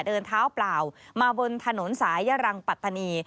เดินเท้าเปล่ามาบนถนนสายยรังปัตตานี